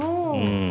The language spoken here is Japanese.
うん。